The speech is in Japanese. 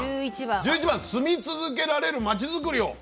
１１番「住み続けられるまちづくりを」。